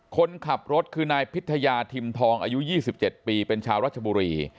คนขับรถคือนายพิทยาทิมทองอายุ๒๗ปีเป็นชาวรัชบุรี